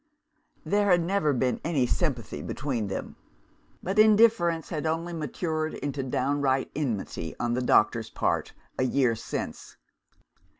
There had never been any sympathy between them; but indifference had only matured into downright enmity, on the doctor's part, a year since.